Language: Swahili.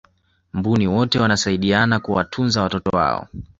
mbuni wote wanasaidiana kuwatunza watoto wao